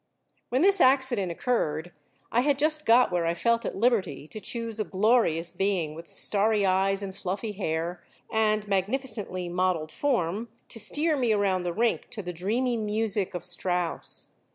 When this accident occurred I had just got where I felt at liberty to choose a glorious being with starry eyes and fluffy hair, and magnificently modeled form, to steer me around the rink to the dreamy music of Strauss.